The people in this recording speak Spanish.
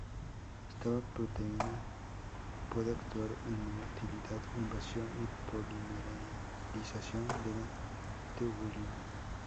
Esta proteína puede actuar en motilidad, invasión y polimerización de la tubulina.